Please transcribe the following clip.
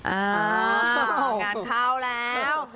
อ้าวงานเข้าแล้ว